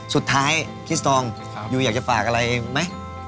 สุดท้ายฮิสตองยูอยากจะฝากอะไรไหมครับ